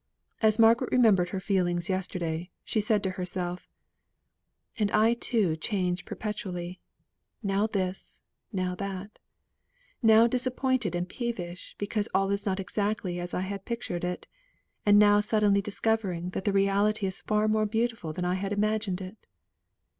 As Margaret remembered her feelings yesterday, she said to herself: "And I too change perpetually now this, now that now disappointment and peevish because all is not exactly as I had pictured it, and now suddenly discovering that the reality is far more beautiful than I had imagined it.